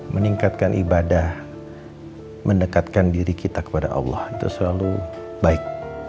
meningkatkan ibadah mendekatkan diri kita kepada allah itu selalu baik